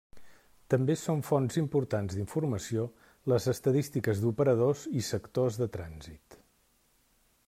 També són fonts importants d'informació les estadístiques d'operadors i sectors de trànsit.